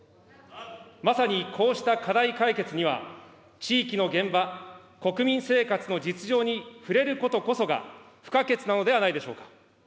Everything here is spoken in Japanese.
まさにこうした課題解決には、地域の現場、国民生活の実情に触れることこそが、不可欠なのではないでしょうか。